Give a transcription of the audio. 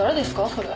それ。